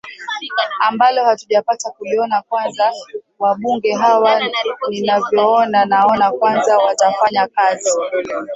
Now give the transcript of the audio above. ambalo hatujapata kuliona kwanza wabunge hawa ninavyoona naona kwanza watafanya kazi